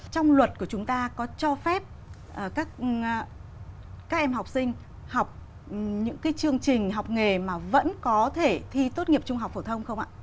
trong luật của chúng ta có cho phép các em học sinh học những cái chương trình học nghề mà vẫn có thể thi tốt nghiệp trung học phổ thông không ạ